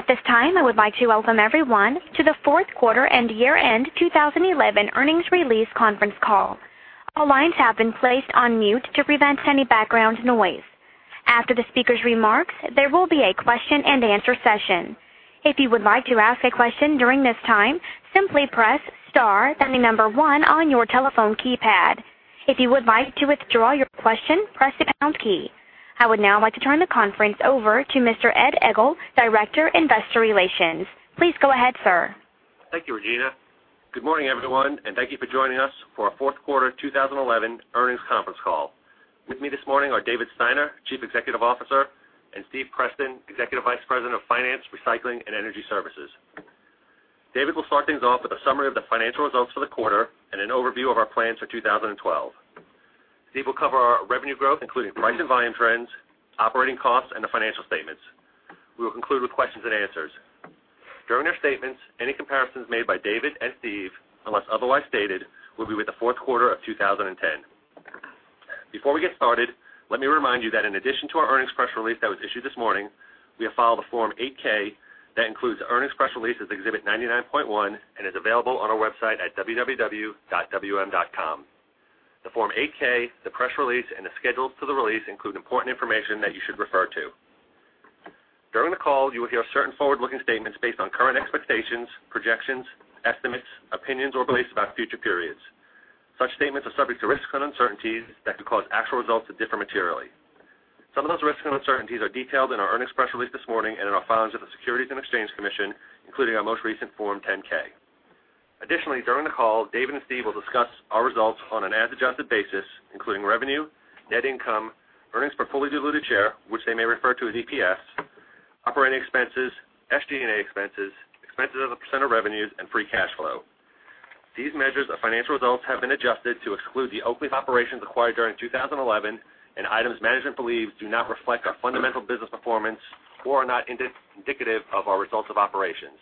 At this time, I would like to welcome everyone to the Fourth Quarter and Year-End 2011 Earnings Release Conference Call. All lines have been placed on mute to prevent any background noise. After the speaker's remarks, there will be a question and answer session. If you would like to ask a question during this time, simply press star then the number one on your telephone keypad. If you would like to withdraw your question, press the pound key. I would now like to turn the conference over to Mr. Ed Egl, Director of Investor Relations. Please go ahead, sir. Thank you, Regina. Good morning, everyone, and thank you for joining us for our fourth quarter 2011 earnings conference call. With me this morning are David Steiner, Chief Executive Officer, and Steve Preston, Executive Vice President of Finance, Recycling, and Energy Services. David will start things off with a summary of the financial results for the quarter and an overview of our plans for 2012. Steve will cover our revenue growth, including price and volume trends, operating costs, and the financial statements. We will conclude with questions and answers. During our statements, any comparisons made by David and Steve, unless otherwise stated, will be with the fourth quarter of 2010. Before we get started, let me remind you that in addition to our earnings press release that was issued this morning, we have filed a Form 8-K that includes earnings press release as Exhibit 99.1 and is available on our website at www.wm.com. The Form 8-K, the press release, and the schedule to the release include important information that you should refer to. During the call, you will hear certain forward-looking statements based on current expectations, projections, estimates, opinions, or beliefs about future periods. Such statements are subject to risks and uncertainties that could cause actual results to differ materially. Some of those risks and uncertainties are detailed in our earnings press release this morning and in our filings with the Securities and Exchange Commission, including our most recent Form 10-K. Additionally, during the call, David and Steve will discuss our results on an adjusted basis, including revenue, net income, earnings per fully diluted share, which they may refer to as EPS, operating expenses, SG&A expenses, expenses as a percent of revenues, and free cash flow. These measures of financial results have been adjusted to exclude the Oakleaf Global Holdings operations acquired during 2011 and items management believes do not reflect our fundamental business performance or are not indicative of our results of operations.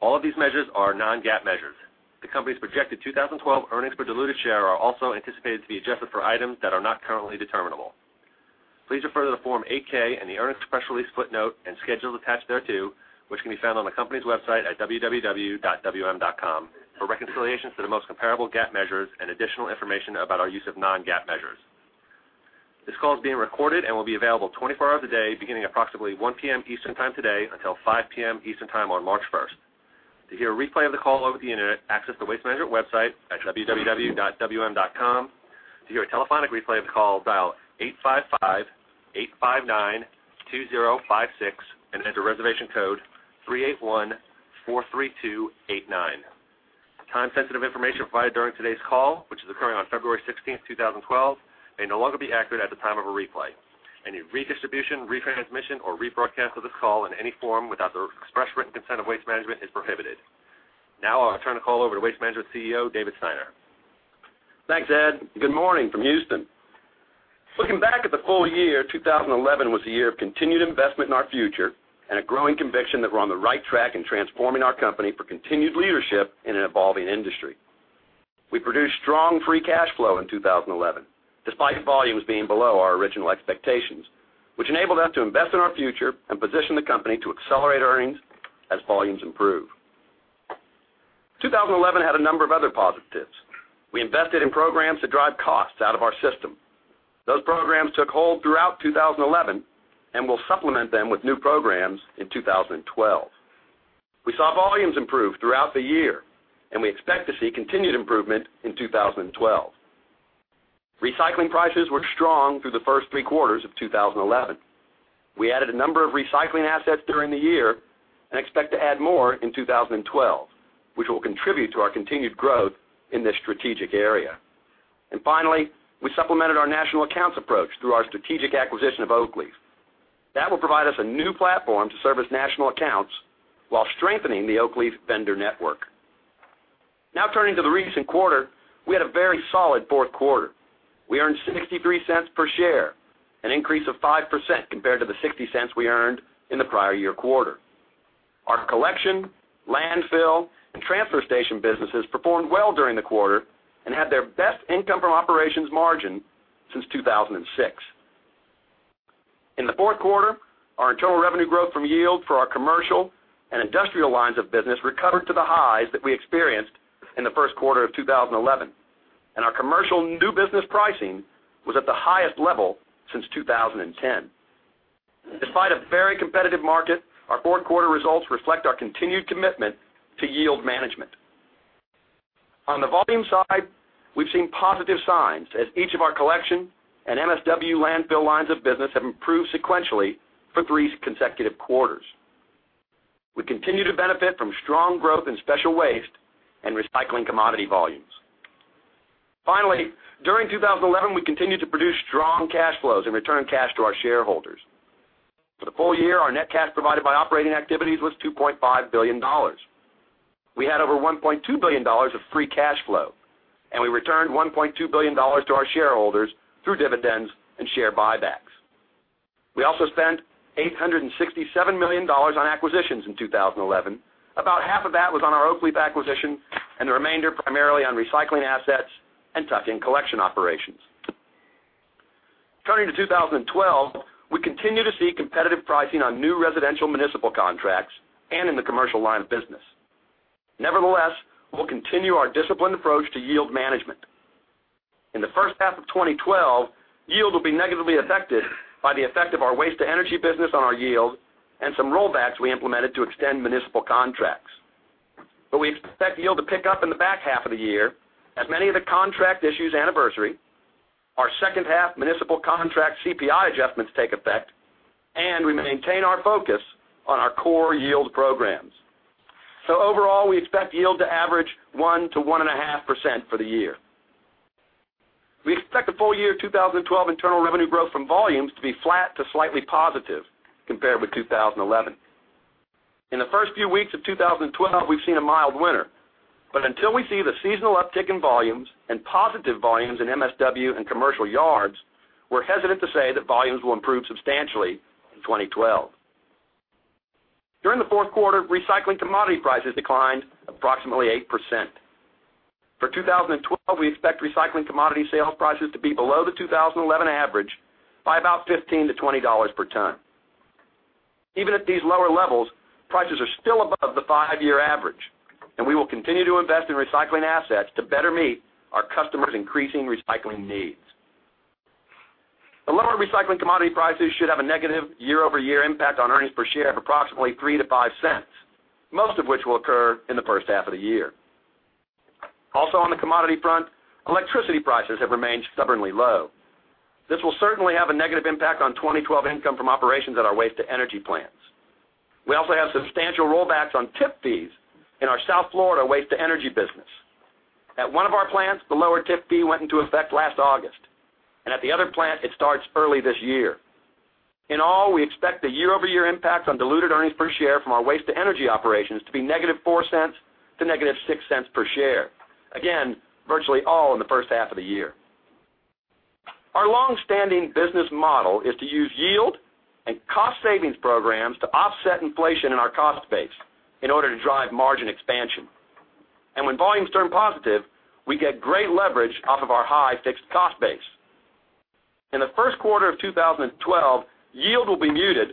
All of these measures are non-GAAP measures. The company's projected 2012 earnings per diluted share are also anticipated to be adjusted for items that are not currently determinable. Please refer to the Form 8-K and the earnings press release footnote and schedule attached thereto, which can be found on the company's website at www.wm.com for reconciliations to the most comparable GAAP measures and additional information about our use of non-GAAP measures. This call is being recorded and will be available 24 hours a day, beginning at approximately 1:00 P.M. Eastern Time today until 5:00 P.M. Eastern Time on March 1, 2012. To hear a replay of the call over the internet, access the Waste Management website at www.wm.com. To hear a telephonic replay of the call, dial 855-859-2056 and enter reservation code 38143289. Time-sensitive information provided during today's call, which is occurring on February 16, 2012, may no longer be accurate at the time of a replay. Any redistribution, retransmission, or rebroadcast of this call in any form without the express written consent of Waste Management is prohibited. Now I'll turn the call over to Waste Management CEO, David Steiner. Thanks, Ed. Good morning from Houston. Looking back at the full year, 2011 was a year of continued investment in our future and a growing conviction that we're on the right track in transforming our company for continued leadership in an evolving industry. We produced strong free cash flow in 2011, despite volumes being below our original expectations, which enabled us to invest in our future and position the company to accelerate earnings as volumes improve. 2011 had a number of other positives. We invested in programs to drive costs out of our system. Those programs took hold throughout 2011, and we will supplement them with new programs in 2012. We saw volumes improve throughout the year, and we expect to see continued improvement in 2012. Recycling prices were strong through the first three quarters of 2011. We added a number of recycling assets during the year and expect to add more in 2012, which will contribute to our continued growth in this strategic area. Finally, we supplemented our national accounts approach through our strategic acquisition of Oakleaf. That will provide us a new platform to service national accounts while strengthening the Oakleaf vendor network. Now turning to the recent quarter, we had a very solid fourth quarter. We earned $0.63 per share, an increase of 5% compared to the $0.60 we earned in the prior-year-quarter. Our collection, landfill, and transfer station businesses performed well during the quarter and had their best income from operations margin since 2006. In the fourth quarter, our internal revenue growth from yield for our commercial and industrial lines of business recovered to the highs that we experienced in the first quarter of 2011, and our commercial new business pricing was at the highest level since 2010. Despite a very competitive market, our fourth quarter results reflect our continued commitment to yield management. On the volume side, we've seen positive signs as each of our collection and MSW landfill lines of business have improved sequentially for three consecutive quarters. We continue to benefit from strong growth in special waste and recycling commodity volumes. Finally, during 2011, we continued to produce strong cash flows and return cash to our shareholders. For the full year, our net cash provided by operating activities was $2.5 billion. We had over $1.2 billion of free cash flow, and we returned $1.2 billion to our shareholders through dividends and share repurchases. We also spent $867 million on acquisitions in 2011. About half of that was on our Oakleaf acquisition and the remainder primarily on recycling assets and tuck-in collection operations. Turning to 2012, we continue to see competitive pricing on new residential municipal contracts and in the commercial line of business. Nevertheless, we will continue our disciplined approach to yield management. In the first half of 2012, yield will be negatively affected by the effect of our waste-to-energy business on our yield and some rollbacks we implemented to extend municipal contracts. We expect yield to pick up in the back half of the year at many of the contract issues' anniversary, our second half municipal contract CPI adjustments take effect, and we maintain our focus on our core yield programs. Overall, we expect yield to average 1%-1.5% for the year. We expect the full year 2012 internal revenue growth from volumes to be flat to slightly positive compared with 2011. In the first few weeks of 2012, we've seen a mild winter, but until we see the seasonal uptick in volumes and positive volumes in MSW and commercial yards, we're hesitant to say that volumes will improve substantially in 2012. During the fourth quarter, recycling commodity prices declined approximately 8%. For 2012, we expect recycling commodity sales prices to be below the 2011 average by about $15-$20 per ton. Even at these lower levels, prices are still above the five-year average, and we will continue to invest in recycling assets to better meet our customers' increasing recycling needs. The lower recycling commodity prices should have a negative year-over-year impact on earnings per share of approximately $0.03-$0.05, most of which will occur in the first half of the year. Also, on the commodity front, electricity prices have remained stubbornly low. This will certainly have a negative impact on 2012 income from operations at our waste-to-energy plants. We also have substantial rollbacks on tip fees in our South Florida waste-to-energy business. At one of our plants, the lower tip fee went into effect last August, and at the other plant, it starts early this year. In all, we expect the year-over-year impacts on diluted earnings per share from our waste-to-energy operations to be -$0.04 to -$0.06 per share, again, virtually all in the first half of the year. Our longstanding business model is to use yield and cost savings programs to offset inflation in our cost base in order to drive margin expansion. When volumes turn positive, we get great leverage off of our high fixed cost base. In the first quarter of 2012, yield will be muted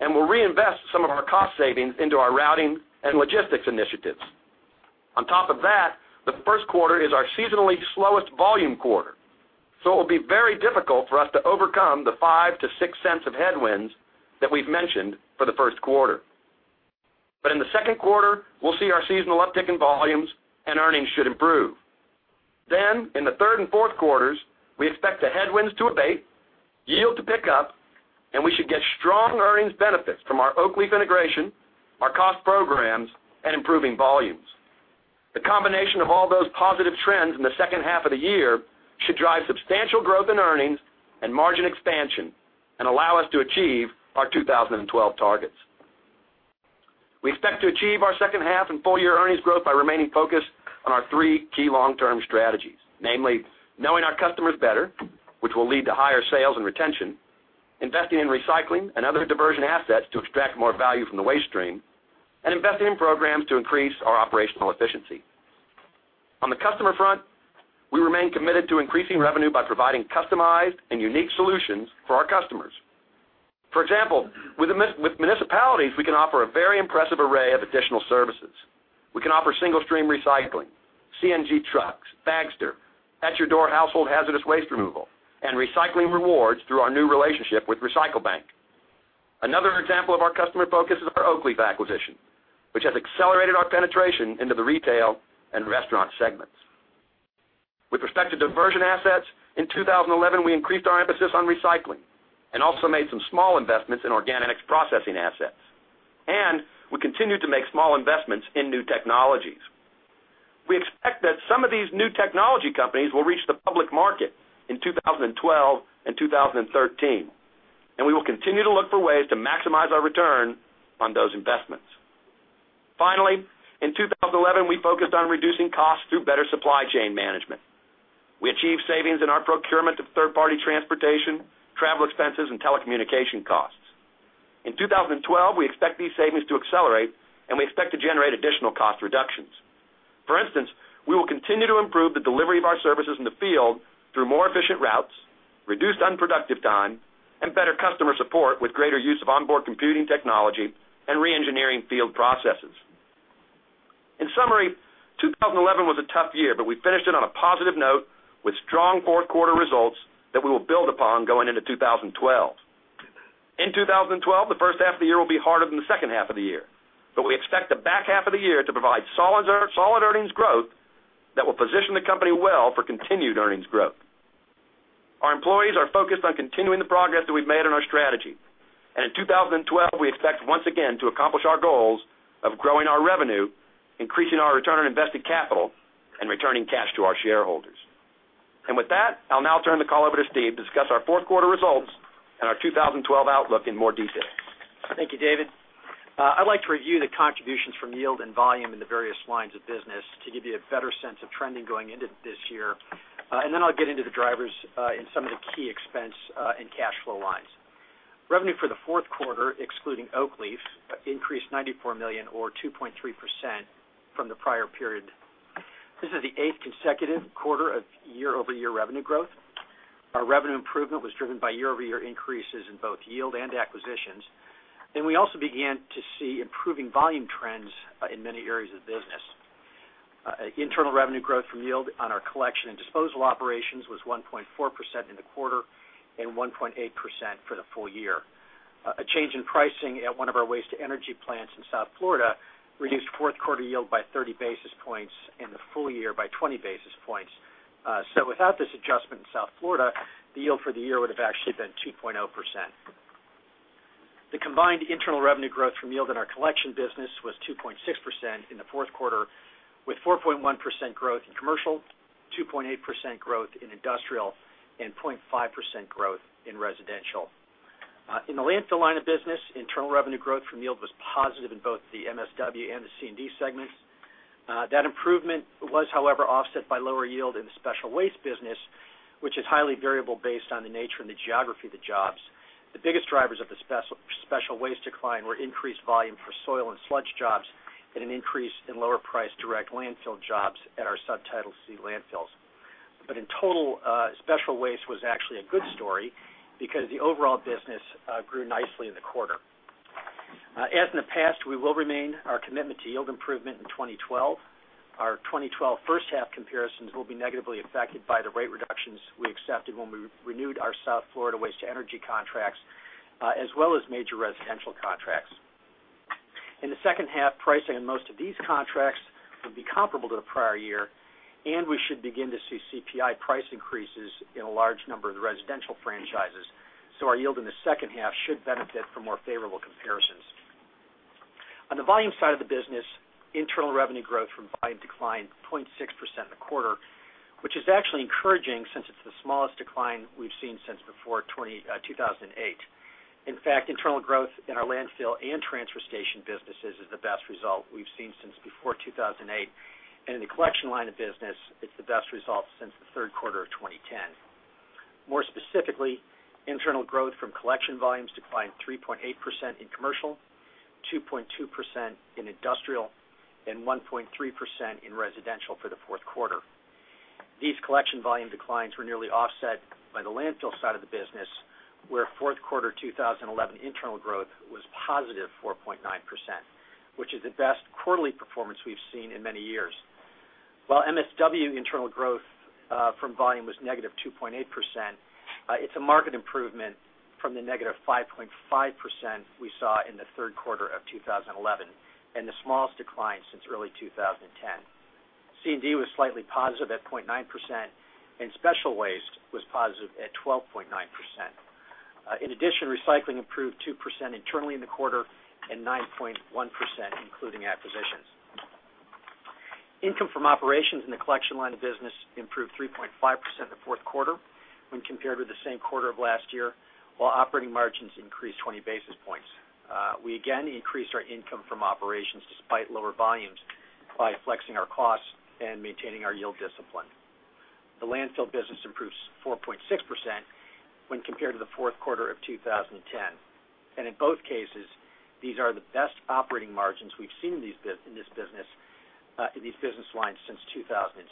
and we'll reinvest some of our cost savings into our routing and logistics initiatives. On top of that, the first quarter is our seasonally slowest volume quarter, so it will be very difficult for us to overcome the $0.05-$0.06 of headwinds that we've mentioned for the first quarter. In the second quarter, we'll see our seasonal uptick in volumes and earnings should improve. In the third and fourth quarters, we expect the headwinds to abate, yield to pick up, and we should get strong earnings benefits from our Oakleaf integration, our cost programs, and improving volumes. The combination of all those positive trends in the second half of the year should drive substantial growth in earnings and margin expansion and allow us to achieve our 2012 targets. We expect to achieve our second half and full-year earnings growth by remaining focused on our three key long-term strategies, namely knowing our customers better, which will lead to higher sales and retention, investing in recycling and other diversion assets to extract more value from the waste stream, and investing in programs to increase our operational efficiency. On the customer front, we remain committed to increasing revenue by providing customized and unique solutions for our customers. For example, with municipalities, we can offer a very impressive array of additional services. We can offer single-stream recycling, CNG trucks, Bagster, at your door household hazardous waste removal, and recycling rewards through our new relationship with Recycle Bank. Another example of our customer focus is our Oakleaf acquisition, which has accelerated our penetration into the retail and restaurant segments. With respect to diversion assets, in 2011, we increased our emphasis on recycling and also made some small investments in organics processing assets, and we continue to make small investments in new technologies. We expect that some of these new technology companies will reach the public market in 2012 and 2013, and we will continue to look for ways to maximize our return on those investments. In 2011, we focused on reducing costs through better supply chain management. We achieved savings in our procurement of third-party transportation, travel expenses, and telecommunication costs. In 2012, we expect these savings to accelerate, and we expect to generate additional cost reductions. For instance, we will continue to improve the delivery of our services in the field through more efficient routes, reduced unproductive time, and better customer support with greater use of onboard computing technology and re-engineering field processes. In summary, 2011 was a tough year, but we finished it on a positive note with strong fourth quarter results that we will build upon going into 2012. In 2012, the first half of the year will be harder than the second half of the year. We expect the back half of the year to provide solid earnings growth that will position the company well for continued earnings growth. Our employees are focused on continuing the progress that we've made in our strategy, and in 2012, we expect once again to accomplish our goals of growing our revenue, increasing our return on invested capital, and returning cash to our shareholders. I will now turn the call over to Steve to discuss our fourth quarter results and our 2012 outlook in more detail. Thank you, David. I'd like to review the contributions from yield and volume in the various lines of business to give you a better sense of trending going into this year. Then I'll get into the drivers in some of the key expense and cash flow lines. Revenue for the fourth quarter, excluding Oakleaf's, increased $94 million, or 2.3% from the prior period. This is the eighth consecutive quarter of year-over-year revenue growth. Our revenue improvement was driven by year-over-year increases in both yield and acquisitions, and we also began to see improving volume trends in many areas of business. Internal revenue growth from yield on our collection and disposal operations was 1.4% in the quarter and 1.8% for the full year. A change in pricing at one of our waste-to-energy plants in South Florida reduced fourth quarter yield by 30 basis points and the full year by 20 basis points. Without this adjustment in South Florida, the yield for the year would have actually been 2.0%. The combined internal revenue growth from yield in our collection business was 2.6% in the fourth quarter, with 4.1% growth in commercial, 2.8% growth in industrial, and 0.5% growth in residential. In the landfill line of business, internal revenue growth from yield was positive in both the MSW and the C&D segments. That improvement was, however, offset by lower yield in the special waste business, which is highly variable based on the nature and the geography of the jobs. The biggest drivers of the special waste decline were increased volume for soil and sludge jobs and an increase in lower-priced direct landfill jobs at our subtitle C landfills. In total, special waste was actually a good story because the overall business grew nicely in the quarter. As in the past, we will remain committed to yield improvement in 2012. Our 2012 first half comparisons will be negatively affected by the rate reductions we accepted when we renewed our South Florida waste-to-energy contracts, as well as major residential contracts. In the second half, pricing in most of these contracts would be comparable to the prior year, and we should begin to see CPI price increases in a large number of the residential franchises. Our yield in the second half should benefit from more favorable comparisons. On the volume side of the business, internal revenue growth from volume -0.6% in the quarter, which is actually encouraging since it's the smallest decline we've seen since before 2008. In fact, internal growth in our landfill and transfer station businesses is the best result we've seen since before 2008, and in the collection line of business, it's the best result since the third quarter of 2010. More specifically, internal growth from collection volumes -3.8% in commercial, -2.2% in industrial, and -1.3% in residential for the fourth quarter. These collection volume declines were nearly offset by the landfill side of the business, where fourth quarter 2011 internal growth was +4.9%, which is the best quarterly performance we've seen in many years. While MSW internal growth from volume was 2.8%, it's a marked improvement from the -5.5% we saw in the third quarter of 2011 and the smallest decline since early 2010. C&D was slightly positive at 0.9%, and special waste was positive at 12.9%. In addition, recycling improved 2% internally in the quarter and 9.1% including aforementioned. Income from operations in the collection line of business improved 3.5% in the fourth quarter when compared with the same quarter of last year, while operating margins increased 20 basis points. We again increased our income from operations despite lower volumes by flexing our costs and maintaining our yield discipline. The landfill business improved 4.6% when compared to the fourth quarter of 2010. In both cases, these are the best operating margins we've seen in this business in these business lines since 2006.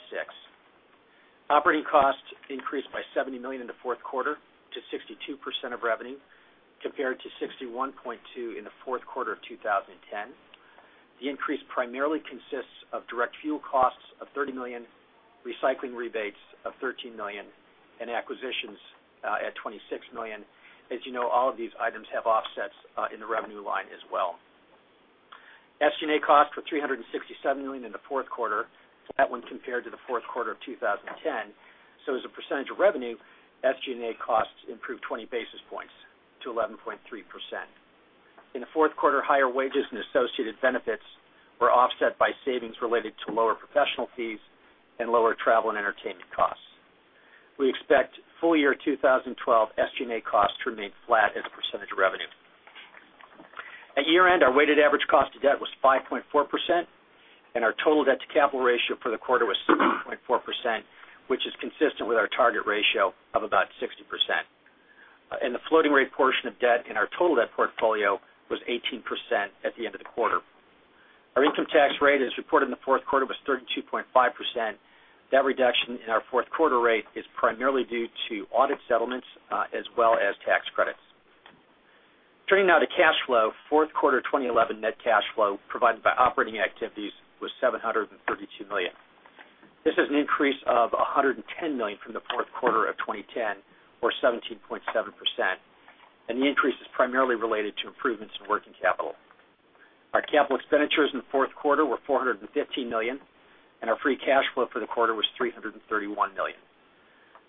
Operating costs increased by $70 million in the fourth quarter to 62% of revenue compared to 61.2% in the fourth quarter of 2010. The increase primarily consists of direct fuel costs of $30 million, recycling rebates of $13 million, and acquisitions at $26 million. As you know, all of these items have offsets in the revenue line as well. SG&A costs were $367 million in the fourth quarter, when compared to the fourth quarter of 2010. As a percentage of revenue, SG&A costs improved 20 basis points to 11.3%. In the fourth quarter, higher wages and associated benefits were offset by savings related to lower professional fees and lower travel and entertainment costs. We expect full year 2012 SG&A costs to remain flat as a percentage of revenue. At year-end, our weighted average cost of debt was 5.4%, and our total debt-to-capital ratio for the quarter was 0.4%, which is consistent with our target ratio of about 60%. The floating rate portion of debt in our total debt portfolio was 18% at the end of the quarter. Our income tax rate as reported in the fourth quarter was 32.5%. That reduction in our fourth quarter rate is primarily due to audit settlements as well as tax credits. Turning now to cash flow, fourth quarter 2011 net cash flow provided by operating activities was $732 million. This is an increase of $110 million from the fourth quarter of 2010, or 17.7%. The increase is primarily related to improvements in working capital. Our capital expenditures in the fourth quarter were $415 million, and our free cash flow for the quarter was $331 million.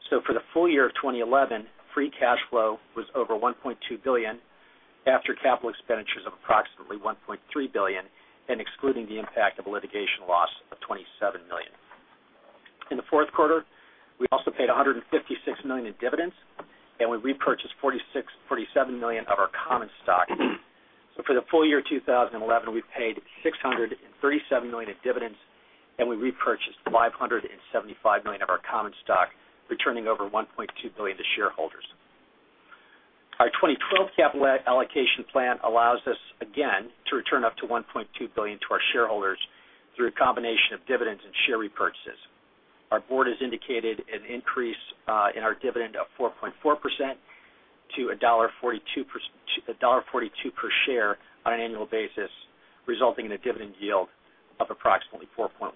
For the full year of 2011, free cash flow was over $1.2 billion after capital expenditures of approximately $1.3 billion and excluding the impact of a litigation loss of $27 million. In the fourth quarter, we also paid $156 million in dividends, and we repurchased $46 million, $47 million of our common stock. For the full year 2011, we paid $637 million in dividends, and we repurchased $575 million of our common stock, returning over $1.2 billion to shareholders. Our 2012 capital allocation plan allows us again to return up to $1.2 billion to our shareholders through a combination of dividends and share repurchases. Our board has indicated an increase in our dividend of 4.4% to $1.42 per share on an annual basis, resulting in a dividend yield of approximately 4.1%.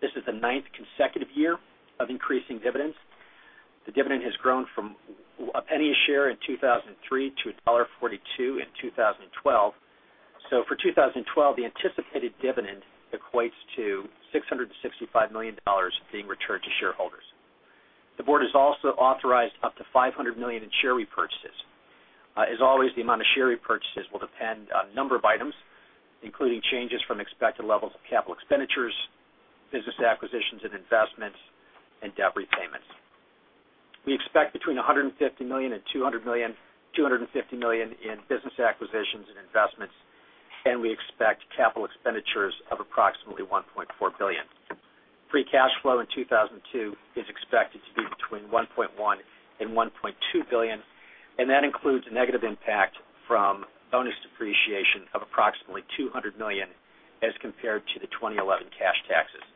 This is the ninth consecutive year of increasing dividends. The dividend has grown from $0.01 a share in 2003 to $1.42 in 2012. For 2012, the anticipated dividend equates to $665 million being returned to shareholders. The board has also authorized up to $500 million in share repurchases. As always, the amount of share repurchases will depend on a number of items, including changes from expected levels of capital expenditures, business acquisitions and investments, and debt repayments. We expect between $150 million and $200 million, $250 million in business acquisitions and investments, and we expect capital expenditures of approximately $1.4 billion. Free cash flow in 2012 is expected to be between $1.1 billion and $1.2 billion, and that includes a negative impact from bonus depreciation of approximately $200 million as compared to the 2011 cash taxes.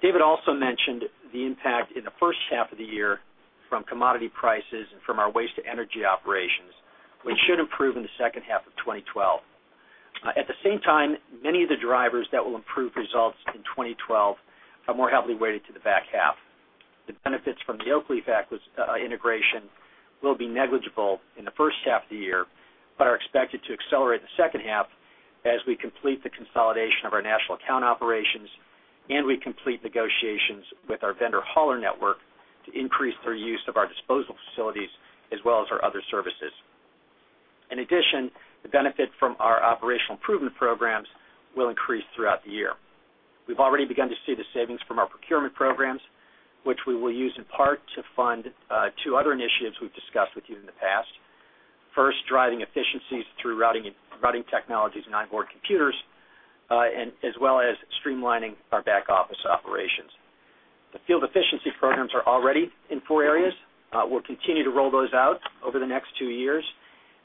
David also mentioned the impact in the first half of the year from commodity prices and from our waste-to-energy operations, which should improve in the second half of 2012. At the same time, many of the drivers that will improve results in 2012 are more heavily weighted to the back half. The benefits from the Oakleaf integration will be negligible in the first half of the year, but are expected to accelerate in the second half as we complete the consolidation of our national account operations and we complete negotiations with our vendor hauler network to increase their use of our disposal facilities as well as our other services. In addition, the benefit from our operational improvement programs will increase throughout the year. We've already begun to see the savings from our procurement programs, which we will use in part to fund two other initiatives we've discussed with you in the past. First, driving efficiencies through routing technologies and onboard computing, as well as streamlining our back office operations. The field efficiency programs are already in four areas. We'll continue to roll those out over the next two years,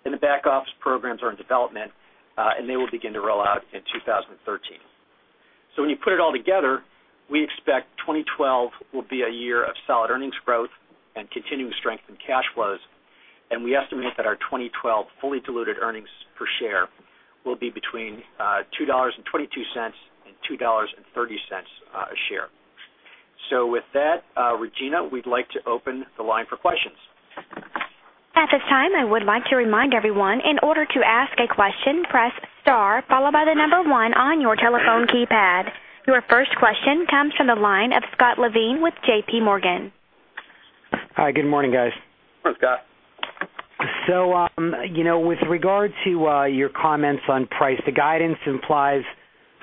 and the back office programs are in development, and they will begin to roll out in 2013. When you put it all together, we expect 2012 will be a year of solid earnings growth and continuing strength in cash flows, and we estimate that our 2012 fully diluted earnings per share will be between $2.22 and $2.30 a share. With that, Regina, we'd like to open the line for questions. At this time, I would like to remind everyone, in order to ask a question, press star followed by the number one on your telephone keypad. Your first question comes from the line of Scott Levine with JP Morgan. Hi. Good morning, guys. Morning, Scott. With regard to your comments on price, the guidance implies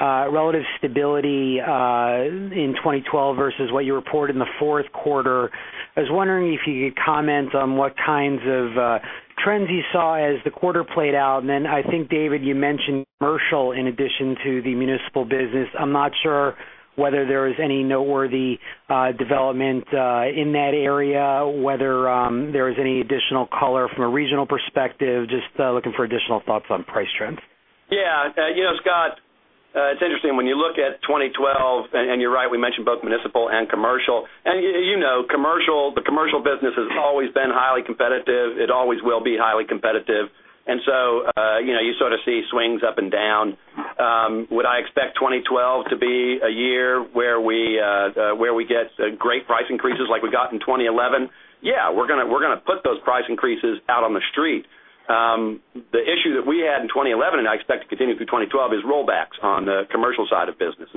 relative stability in 2012 versus what you report in the fourth quarter. I was wondering if you could comment on what kinds of trends you saw as the quarter played out. I think, David, you mentioned commercial in addition to the municipal business. I'm not sure whether there is any noteworthy development in that area, whether there is any additional color from a regional perspective, just looking for additional thoughts on price trends. Yeah. You know, Scott, it's interesting. When you look at 2012, and you're right, we mentioned both municipal and commercial. You know the commercial business has always been highly competitive. It always will be highly competitive, so you sort of see swings up and down. Would I expect 2012 to be a year where we get great price increases like we got in 2011? Yeah. We're going to put those price increases out on the street. The issue that we had in 2011, and I expect to continue through 2012, is rollbacks on the commercial side of business.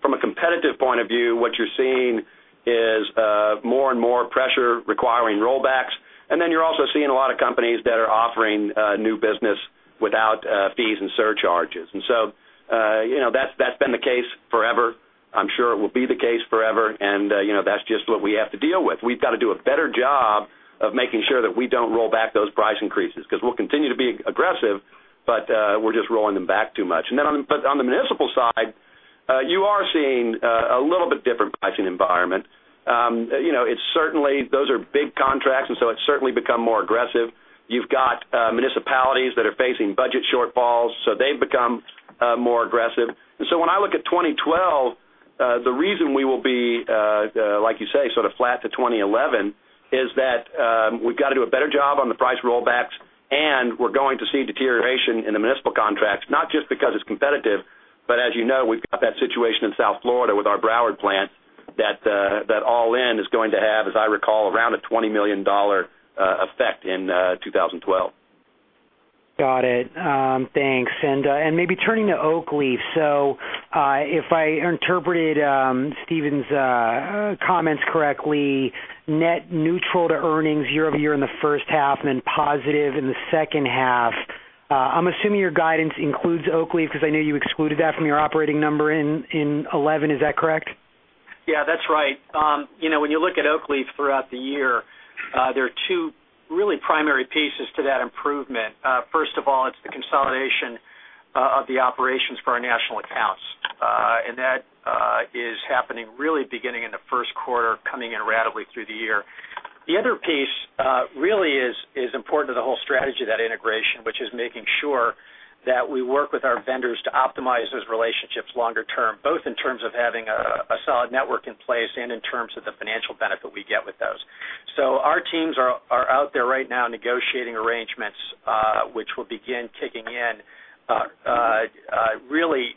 From a competitive point of view, what you're seeing is more and more pressure requiring rollbacks. You're also seeing a lot of companies that are offering new business without fees and surcharges. That's been the case forever. I'm sure it will be the case forever, and that's just what we have to deal with. We've got to do a better job of making sure that we don't roll back those price increases because we'll continue to be aggressive, but we're just rolling them back too much. On the municipal side, you are seeing a little bit different pricing environment. Those are big contracts, so it's certainly become more aggressive. You've got municipalities that are facing budget shortfalls, so they've become more aggressive. When I look at 2012, the reason we will be, like you say, sort of flat to 2011 is that we've got to do a better job on the price rollbacks, and we're going to see deterioration in the municipal contracts, not just because it's competitive, but as you know, we've got that situation in South Florida with our Broward plant that all in is going to have, as I recall, around a $20 million effect in 2012. Got it. Thanks. Maybe turning to Oakleaf, if I interpreted Steven's comments correctly, net neutral to earnings year-over-year in the first half and then positive in the second half, I'm assuming your guidance includes Oakleaf because I know you excluded that from your operating number in 2011. Is that correct? Yeah. That's right. You know when you look at Oakleaf throughout the year, there are two really primary pieces to that improvement. First of all, it's the consolidation of the operations for our national accounts, and that is happening really beginning in the first quarter, coming in rapidly through the year. The other piece really is important to the whole strategy, that integration, which is making sure that we work with our vendors to optimize those relationships longer term, both in terms of having a solid network in place and in terms of the financial benefit we get with those. Our teams are out there right now negotiating arrangements, which will begin kicking in really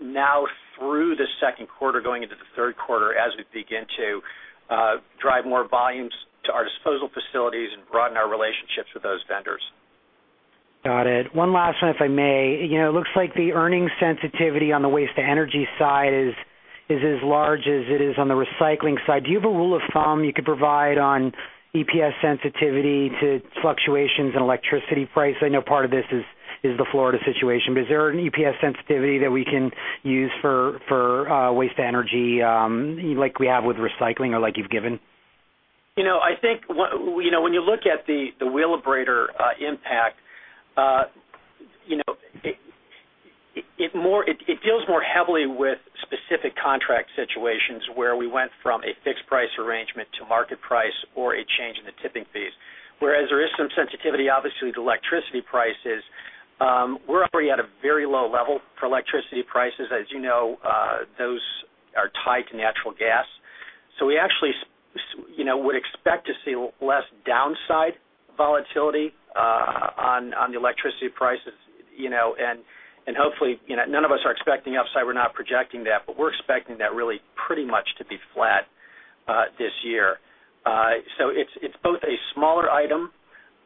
now through the second quarter, going into the third quarter as we begin to drive more volumes to our disposal facilities and broaden our relationships with those vendors. Got it. One last one, if I may. You know it looks like the earnings sensitivity on the waste-to-energy side is as large as it is on the recycling side. Do you have a rule of thumb you could provide on EPS sensitivity to fluctuations in electricity prices? I know part of this is the Florida situation, but is there an EPS sensitivity that we can use for waste-to-energy like we have with recycling or like you've given? You know. I think when you look at the Wheelabrator impact, it deals more heavily with specific contract situations where we went from a fixed price arrangement to market price or a change in the tip fees. Whereas there is some sensitivity, obviously, to electricity prices. We're already at a very low level for electricity prices. As you know, those are tied to natural gas. We actually would expect to see less downside volatility on the electricity prices. Hopefully, none of us are expecting upside. We're not projecting that, but we're expecting that really pretty much to be flat this year. It's both a smaller item,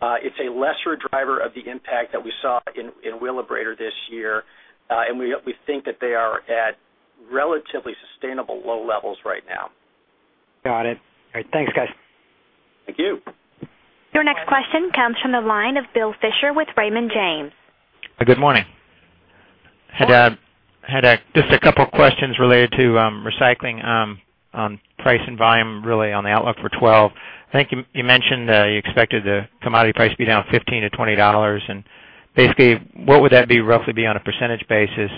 it's a lesser driver of the impact that we saw in Wheelabrator this year, and we think that they are at relatively sustainable low levels right now. Got it. All right. Thanks, guys. Thank you. Your next question comes from the line of Bill Fisher with Raymond James. Hi. Good morning. I had just a couple of questions related to recycling on price and volume, really on the outlook for 2012. I think you mentioned you expected the commodity price to be down $15-$20. What would that roughly be on a percentage basis?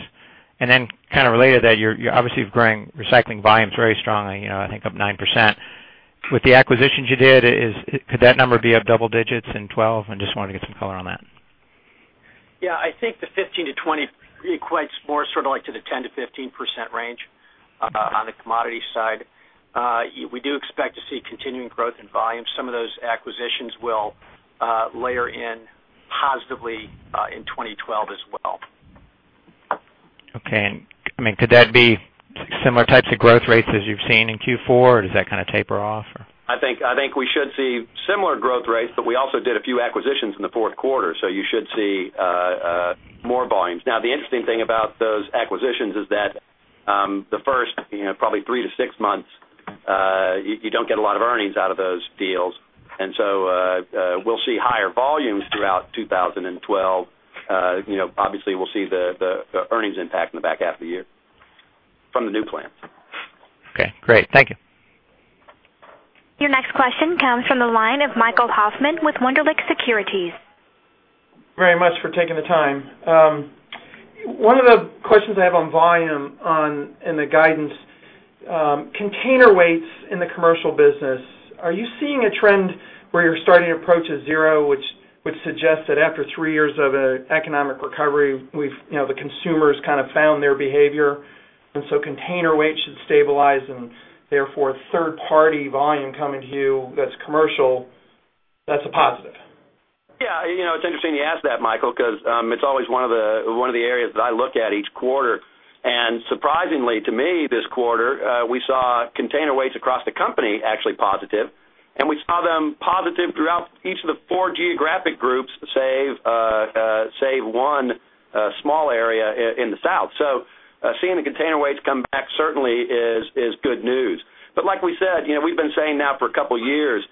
Related to that, you're obviously growing recycling volumes very strongly, I think up 9%. With the acquisitions you did, could that number be up double digits in 2012? I just wanted to get some color on that. Yeah. I think the $15-$20 equates more sort of like to the 10%-15% range on the commodity side. We do expect to see continuing growth in volume. Some of those acquisitions will layer in positively in 2012 as well. Could that be similar types of growth rates as you've seen in Q4, or does that kind of taper off? I think we should see similar growth rates, but we also did a few acquisitions in the fourth quarter, so you should see more volumes. The interesting thing about those acquisitions is that the first probably three to six months, you don't get a lot of earnings out of those deals. We will see higher volumes throughout 2012. Obviously, we'll see the earnings impact in the back half of the year from the new plants. Okay. Great. Thank you. Your next question comes from the line of Michael Hoffman with Wunderlich Securities. Thanks very much for taking the time. One of the questions I have on volume in the guidance, container weights in the commercial business, are you seeing a trend where you're starting to approach a zero, which suggests that after three years of an economic recovery, the consumers kind of found their behavior? Container weight should stabilize, and therefore, third-party volume coming to you that's commercial, that's a positive. Yeah. You know it's interesting you asked that, Michael, because it's always one of the areas that I look at each quarter. Surprisingly to me this quarter, we saw container weights across the company actually positive. We saw them positive throughout each of the four geographic groups, save one small area in the South. Seeing the container weights come back certainly is good news. Like we said, you know we've been saying now for a couple of years,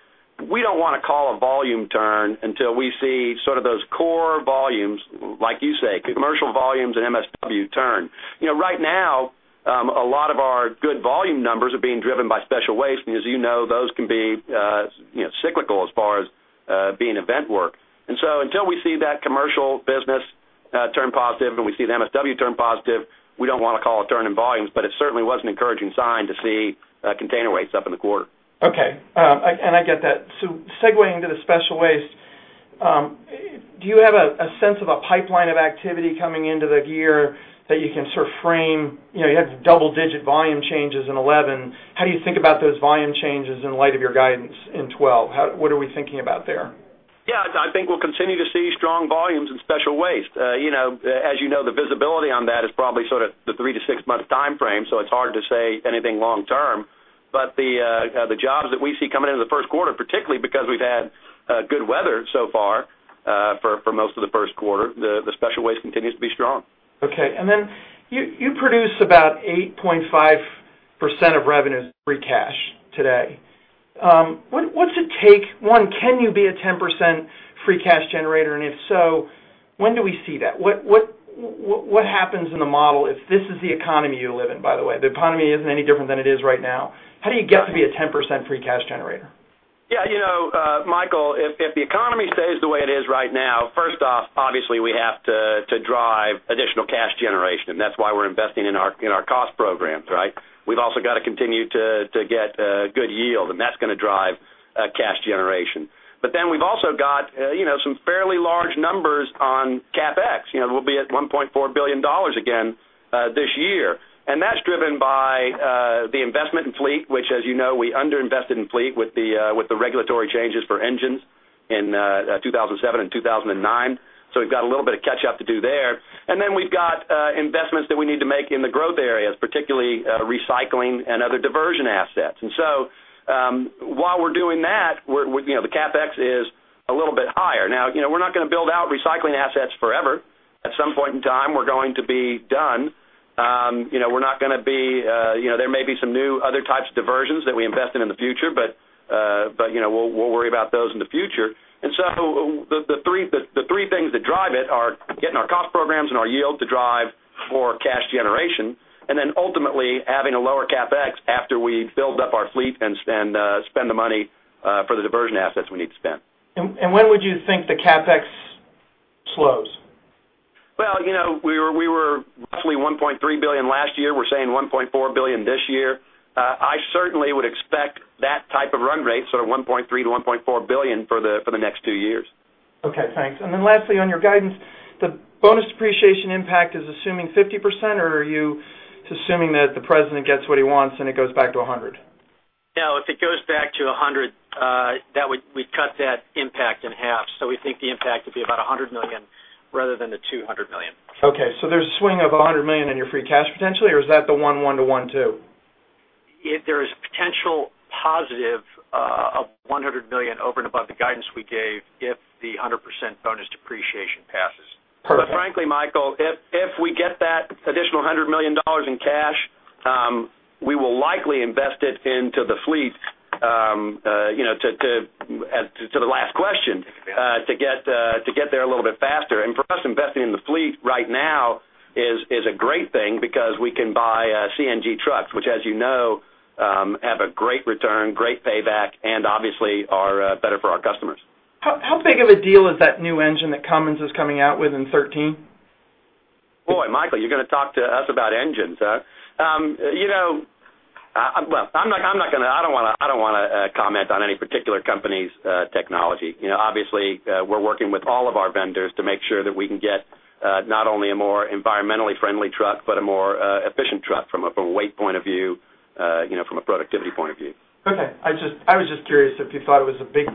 we don't want to call a volume turn until we see sort of those core volumes, like you say, commercial volumes and MSW turn. Right now, a lot of our good volume numbers are being driven by special waste. As you know, those can be cyclical as far as being event work. Until we see that commercial business turn positive and we see the MSW turn positive, we don't want to call a turn in volumes, but it certainly was an encouraging sign to see container weights up in the quarter. Okay. I get that. Segueing to the special waste, do you have a sense of a pipeline of activity coming into the year that you can sort of frame? You had double-digit volume changes in 2011. How do you think about those volume changes in light of your guidance in 2012? What are we thinking about there? Yeah. I think we'll continue to see strong volumes in special waste. As you know, the visibility on that is probably sort of the three to six-month time frame, so it's hard to say anything long term. The jobs that we see coming into the first quarter, particularly because we've had good weather so far for most of the first quarter, the special waste continues to be strong. Okay. You produce about 8.5% of revenues free cash today. What's it take? One, can you be a 10% free cash generator? If so, when do we see that? What happens in the model if this is the economy you live in, by the way? The economy isn't any different than it is right now. How do you get to be a 10% free cash generator? Yeah. You know, Michael, if the economy stays the way it is right now, first off, obviously, we have to drive additional cash generation. That's why we're investing in our cost programs, right? We've also got to continue to get good yield, and that's going to drive cash generation. We've also got some fairly large numbers on CapEx. We'll be at $1.4 billion again this year, and that's driven by the investment in fleet, which, as you know, we underinvested in fleet with the regulatory changes for engines in 2007 and 2009. We've got a little bit of catch-up to do there. We've got investments that we need to make in the growth areas, particularly recycling and other diversion assets. While we're doing that, the CapEx is a little bit higher. We're not going to build out recycling assets forever. At some point in time, we're going to be done. There may be some new other types of diversions that we invest in in the future, but we'll worry about those in the future. The three things that drive it are getting our cost programs and our yield to drive for cash generation and ultimately having a lower CapEx after we build up our fleet and spend the money for the diversion assets we need to spend. When would you think the CapEx slows? We were roughly $1.3 billion last year. We're saying $1.4 billion this year. I certainly would expect that type of run rate, sort of $1.3-$1.4 billion for the next two years. Okay. Thanks. Lastly, on your guidance, the bonus depreciation impact is assuming 50%, or are you assuming that the president gets what he wants and it goes back to 100%? No. If it goes back to 100%, we'd cut that impact in half. We think the impact would be about $100 million rather than the $200 million. Okay. There's a swing of $100 million in your free cash potentially, or is that the $1.1 billion-$1.2 billion? There is potential positive of $100 million over and above the guidance we gave if the 100% bonus depreciation passes. Perfect. Frankly, Michael, if we get that additional $100 million in cash, we will likely invest it into the fleet, to the last question, to get there a little bit faster. For us, investing in the fleet right now is a great thing because we can buy CNG trucks, which, as you know, have a great return, great payback, and obviously are better for our customers. How big of a deal is that new engine that Cummins is coming out with in 2013? Michael, you're going to talk to us about engines. I'm not going to comment on any particular company's technology. Obviously, we're working with all of our vendors to make sure that we can get not only a more environmentally friendly truck, but a more efficient truck from a weight point of view, from a productivity point of view. Okay. I was just curious if you thought it was a big,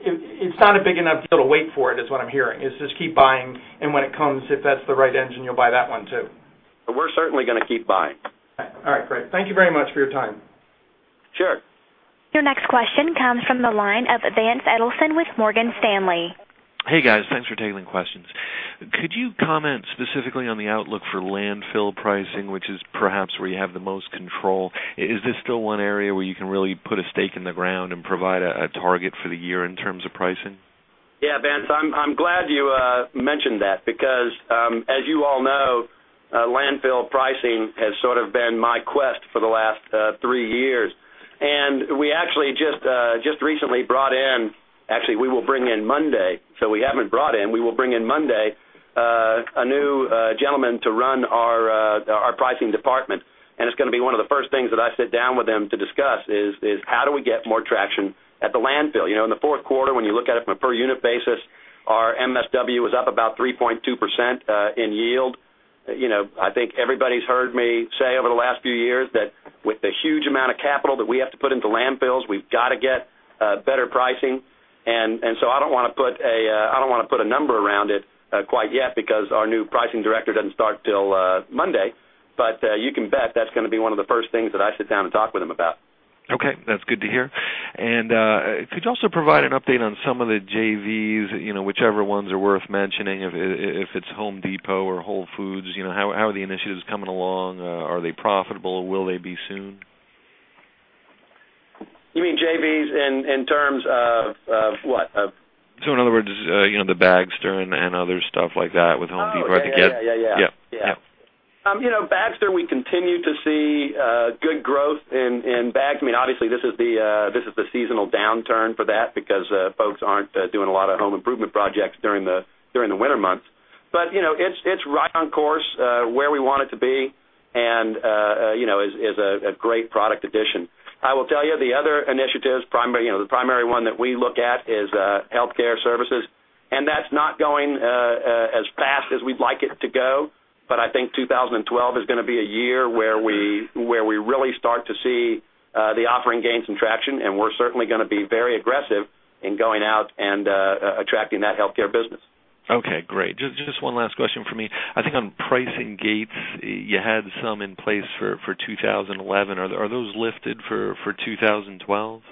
it's not a big enough deal to wait for it, is what I'm hearing. It's just keep buying, and when it comes, if that's the right engine, you'll buy that one too. We're certainly going to keep buying. All right. Great. Thank you very much for your time. Sure. Your next question comes from the line of Vance Edelson with Morgan Stanley. Hey, guys. Thanks for taking the questions. Could you comment specifically on the outlook for landfill pricing, which is perhaps where you have the most control? Is this still one area where you can really put a stake in the ground and provide a target for the year in terms of pricing? Yeah, Vance. I'm glad you mentioned that because, as you all know, landfill pricing has sort of been my quest for the last three years. We actually just recently brought in—actually, we will bring in Monday, so we haven't brought in—we will bring in Monday a new gentleman to run our pricing department. It's going to be one of the first things that I sit down with them to discuss: how do we get more traction at the landfill. In the fourth quarter, when you look at it from a per-unit basis, our MSW was up about 3.2% in yield. I think everybody's heard me say over the last few years that with the huge amount of capital that we have to put into landfills, we've got to get better pricing. I don't want to put a number around it quite yet because our new pricing director doesn't start till Monday. You can bet that's going to be one of the first things that I sit down and talk with him about. Okay. That's good to hear. Could you also provide an update on some of the JVs, whichever ones are worth mentioning, if it's Home Depot or Whole Foods? How are the initiatives coming along? Are they profitable? Will they be soon? You mean JVs in terms of what? In other words, the Bagster and other stuff like that with Home Depot. Yeah, yeah, yeah, yeah. You know Bagster, we continue to see good growth in bags. I mean, obviously, this is the seasonal downturn for that because folks aren't doing a lot of home improvement projects during the winter months. You know it's right on course where we want it to be and you know is a great product addition. I will tell you the other initiatives, the primary one that we look at is healthcare services. That's not going as fast as we'd like it to go, but I think 2012 is going to be a year where we really start to see the offering gains and traction. We're certainly going to be very aggressive in going out and attracting that healthcare business. Okay. Great. Just one last question from me. I think on pricing gates, you had some in place for 2011. Are those lifted for 2012?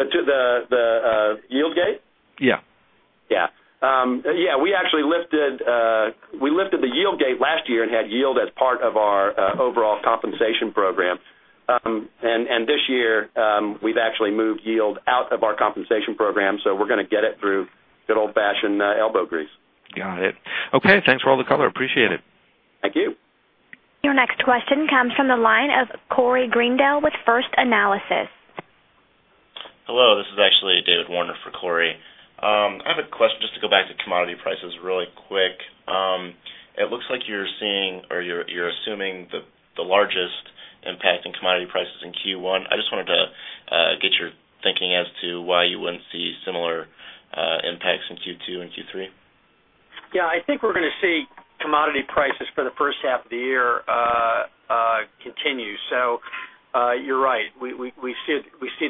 To the yield gate? Yeah. Yeah. We actually lifted the yield gate last year and had yield as part of our overall compensation program. This year, we've actually moved yield out of our compensation program, so we're going to get it through good old-fashioned elbow grease. Got it. Okay, thanks for all the color. Appreciate it. Thank you. Your next question comes from the line of Corey Greendell with First Analysis. Hello. This is actually David Warner for Corey. I have a question just to go back to commodity prices really quick. It looks like you're seeing or you're assuming the largest impact in commodity prices in Q1. I just wanted to get your thinking as to why you wouldn't see similar impacts in Q2 and Q3. Yeah, I think we're going to see commodity prices for the first half of the year continue. You're right, we see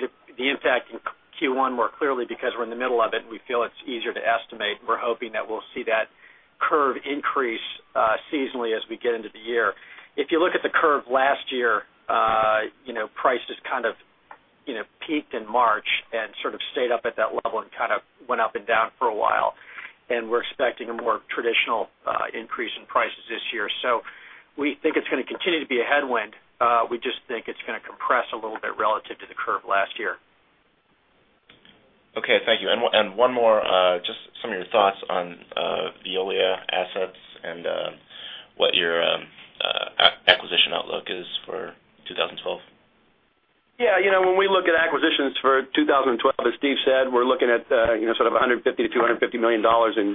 the impact in Q1 more clearly because we're in the middle of it, and we feel it's easier to estimate. We're hoping that we'll see that curve increase seasonally as we get into the year. If you look at the curve last year, prices kind of peaked in March and stayed up at that level and went up and down for a while. We're expecting a more traditional increase in prices this year. We think it's going to continue to be a headwind. We just think it's going to compress a little bit relative to the curve last year. Thank you. One more, just some of your thoughts on Veolia assets and what your acquisition outlook is for 2012. Yeah. You know when we look at acquisitions for 2012, as Steve said, we're looking at sort of $150 million-$250 million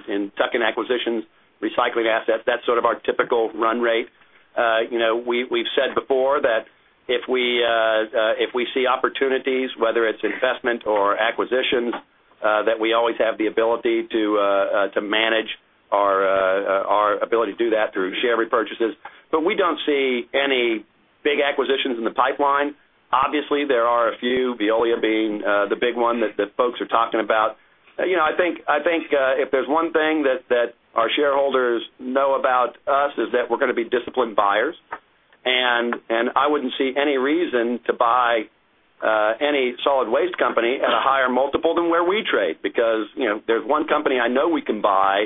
in tuck-in acquisitions, recycling assets. That's sort of our typical run rate. We've said before that if we see opportunities, whether it's investment or acquisitions, we always have the ability to manage our ability to do that through share repurchases. We don't see any big acquisitions in the pipeline. Obviously, there are a few, Veolia being the big one that folks are talking about. I think if there's one thing that our shareholders know about us is that we're going to be disciplined buyers. I wouldn't see any reason to buy any solid waste company at a higher multiple than where we trade because there's one company I know we can buy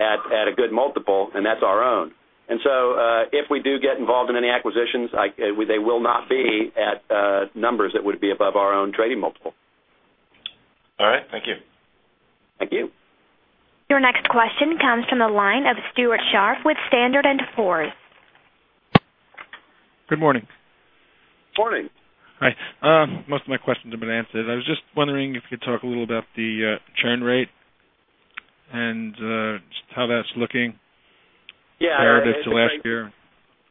at a good multiple, and that's our own. If we do get involved in any acquisitions, they will not be at numbers that would be above our own trading multiple. All right. Thank you. Thank you. Your next question comes from the line of Stuart Scharf with Standard and Poor's. Good morning. Morning. All right. Most of my questions have been answered. I was just wondering if you could talk a little about the churn rate and just how that's looking comparative to last year. Yeah.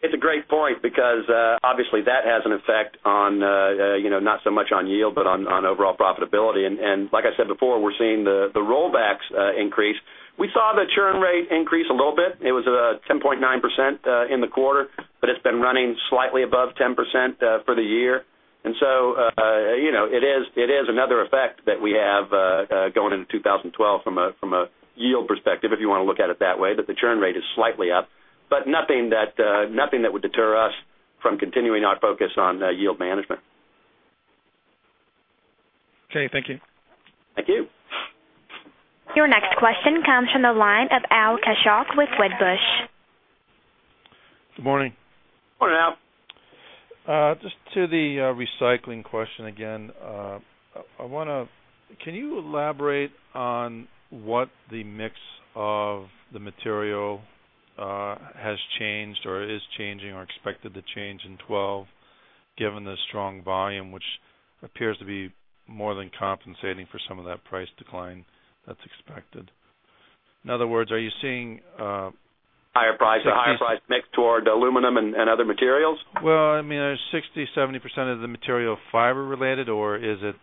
It's a great point because obviously, that has an effect not so much on yield but on overall profitability. Like I said before, we're seeing the rollbacks increase. We saw the churn rate increase a little bit. It was 10.9% in the quarter, but it's been running slightly above 10% for the year. It is another effect that we have going into 2012 from a yield perspective, if you want to look at it that way, that the churn rate is slightly up, but nothing that would deter us from continuing our focus on yield management. Okay, thank you. Thank you. Your next question comes from the line of Al Kaschalk with Wedbush. Good morning. Morning, Al. Just to the recycling question again, can you elaborate on how the mix of the material has changed or is changing or expected to change in 2012 given the strong volume, which appears to be more than compensating for some of that price decline that's expected? In other words, are you seeing? Higher prices. A higher price mix toward aluminum and other materials? Are 60% or 70% of the material fiber-related, or is it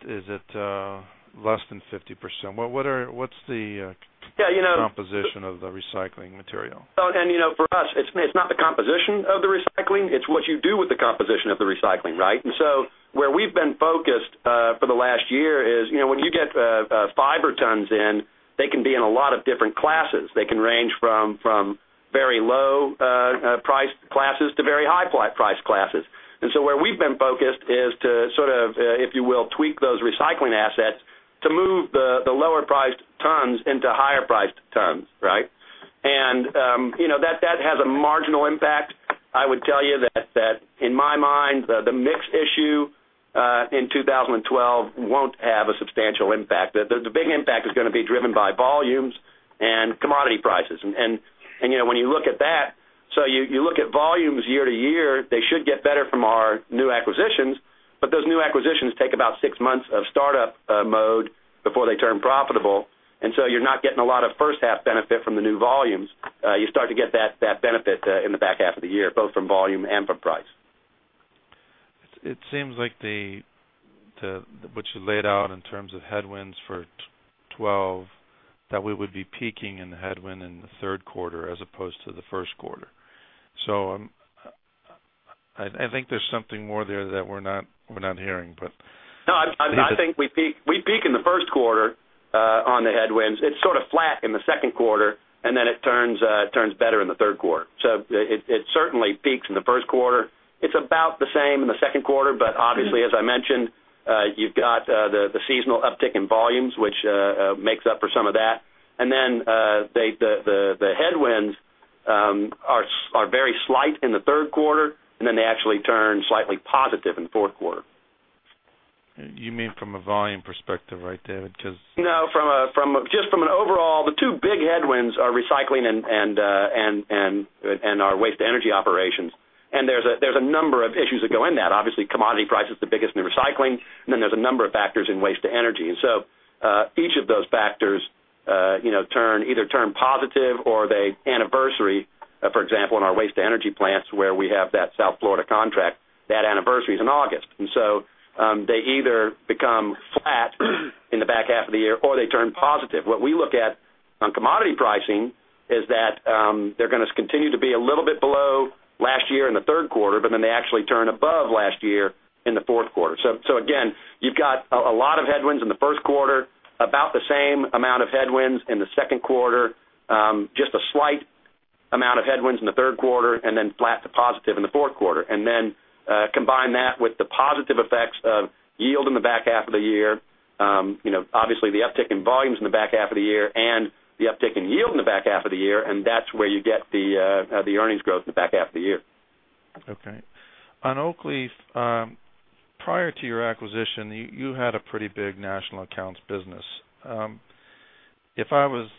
less than 50%? What's the composition of the recycling material? For us, it's not the composition of the recycling. It's what you do with the composition of the recycling, right? Where we've been focused for the last year is when you get fiber tons in, they can be in a lot of different classes. They can range from very low-priced classes to very high-priced classes. Where we've been focused is to sort of, if you will, tweak those recycling assets to move the lower-priced tons into higher-priced tons, right? That has a marginal impact. I would tell you that in my mind, the mix issue in 2012 won't have a substantial impact. The big impact is going to be driven by volumes and commodity prices. When you look at that, you look at volumes year to year, they should get better from our new acquisitions, but those new acquisitions take about six months of startup mode before they turn profitable. You're not getting a lot of first-half benefit from the new volumes. You start to get that benefit in the back half of the year, both from volume and from price. It seems like what you laid out in terms of headwinds for 2012, that we would be peaking in the headwind in the third quarter as opposed to the first quarter. I think there's something more there that we're not hearing. No. I think we peak in the first quarter on the headwinds. It is sort of flat in the second quarter, and then it turns better in the third quarter. It certainly peaks in the first quarter. It is about the same in the second quarter, but obviously, as I mentioned, you have got the seasonal uptick in volumes, which makes up for some of that. The headwinds are very slight in the third quarter, and then they actually turn slightly positive in the fourth quarter. You mean from a volume perspective, right, David? No. Just from an overall, the two big headwinds are recycling and our waste-to-energy operations. There's a number of issues that go in that. Obviously, commodity price is the biggest in recycling, and then there's a number of factors in waste-to-energy. Each of those factors either turn positive or they anniversary, for example, in our waste-to-energy plants where we have that South Florida contract, that anniversary is in August. They either become flat in the back half of the year or they turn positive. What we look at on commodity pricing is that they're going to continue to be a little bit below last year in the third quarter, but they actually turn above last year in the fourth quarter. You've got a lot of headwinds in the first quarter, about the same amount of headwinds in the second quarter, just a slight amount of headwinds in the third quarter, and then flat to positive in the fourth quarter. Combine that with the positive effects of yield in the back half of the year, obviously, the uptick in volumes in the back half of the year and the uptick in yield in the back half of the year, and that's where you get the earnings growth in the back half of the year. Okay. On Oakleaf, prior to your acquisition, you had a pretty big national accounts business. If I was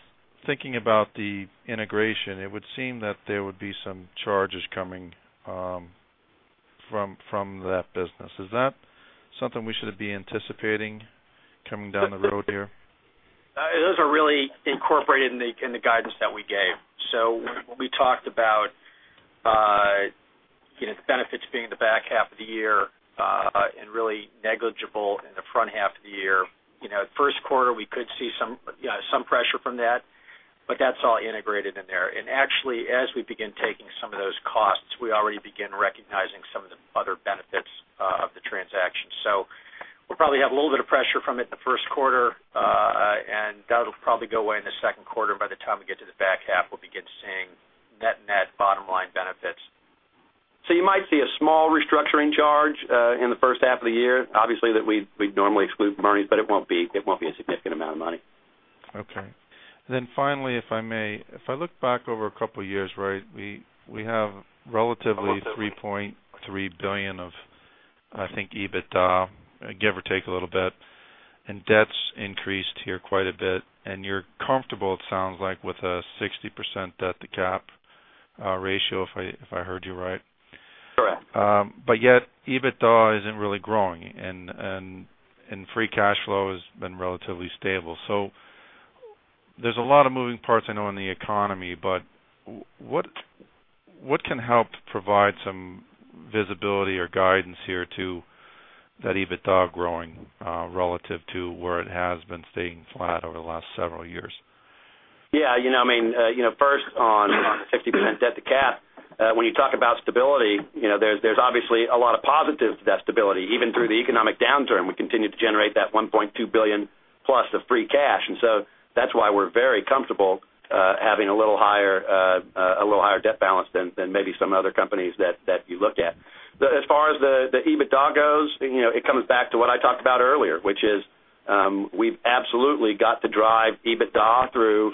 thinking about the integration, it would seem that there would be some charges coming from that business. Is that something we should be anticipating coming down the road here? Those are really incorporated in the guidance that we gave. We talked about the benefits being the back half of the year and really negligible in the front half of the year. The first quarter, we could see some pressure from that, but that's all integrated in there. Actually, as we begin taking some of those costs, we already begin recognizing some of the other benefits of the transaction. We'll probably have a little bit of pressure from it in the first quarter, and that'll probably go away in the second quarter. By the time we get to the back half, we'll begin seeing net-net bottom line benefits. You might see a small restructuring charge in the first half of the year. Obviously, we'd normally exclude money, but it won't be a significant amount of money. Okay. Finally, if I may, if I look back over a couple of years, right, we have relatively $3.3 billion of, I think, EBITDA, give or take a little bit. Debt's increased here quite a bit. You're comfortable, it sounds like, with a 60% debt-to-cap ratio, if I heard you right. Correct. EBITDA isn't really growing, and free cash flow has been relatively stable. There are a lot of moving parts in the economy, but what can help provide some visibility or guidance here to that EBITDA growing relative to where it has been staying flat over the last several years? Yeah. You know, first on 60% debt-to-cap, when you talk about stability, there's obviously a lot of positives to that stability. Even through the economic downturn, we continue to generate that $1.2 billion+ of free cash. That's why we're very comfortable having a little higher debt balance than maybe some other companies that you look at. As far as the EBITDA goes, it comes back to what I talked about earlier, which is we've absolutely got to drive EBITDA through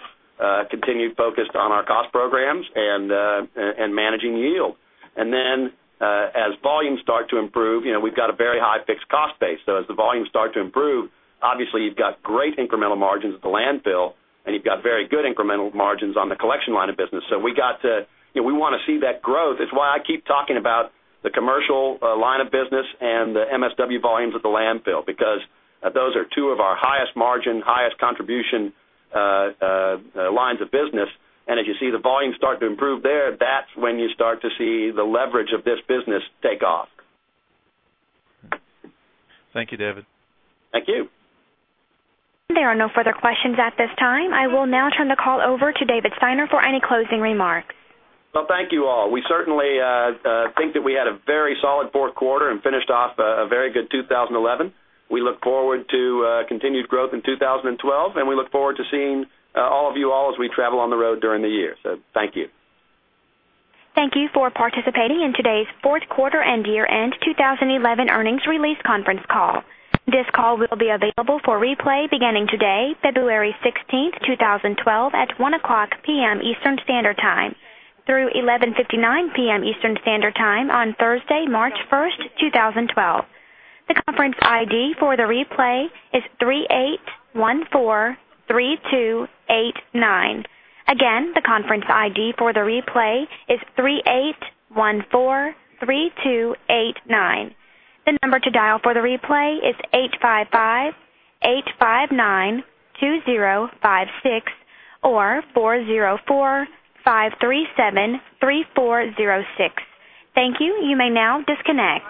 continued focus on our cost programs and managing yield. Then as volumes start to improve, we've got a very high fixed cost base. As the volumes start to improve, obviously, you've got great incremental margins at the landfill, and you've got very good incremental margins on the collection line of business. We want to see that growth. It's why I keep talking about the commercial line of business and the MSW volumes at the landfill because those are two of our highest margin, highest contribution lines of business. As you see the volumes start to improve there, that's when you start to see the leverage of this business take off. Thank you, David. Thank you. There are no further questions at this time. I will now turn the call over to David Steiner for any closing remarks. Thank you all. We certainly think that we had a very solid fourth quarter and finished off a very good 2011. We look forward to continued growth in 2012, and we look forward to seeing all of you as we travel on the road during the year. Thank you. Thank you for participating in today's Fourth Quarter and Year-End 2011 Earnings Release Conference Call. This call will be available for replay beginning today, February 16, 2012, at 1:00 P.M. Eastern Standard Time through 11:59 P.M. Eastern Standard Time on Thursday, March 1, 2012. The conference ID for the replay is 38143289. Again, the conference ID for the replay is 38143289. The number to dial for the replay is 855-859-2056 or 404-537-3406. Thank you. You may now disconnect.